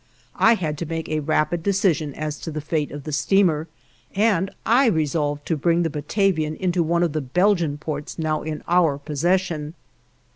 I had to make a rapid decision as to the fate of the steamer, and I resolved to bring the "Batavian" into one of the Belgian ports now in our possession.